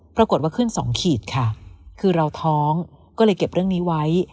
ปรากฏว่าขึ้นสองขีดค่ะคือเราท้องก็เลยเก็บเรื่องนี้ไว้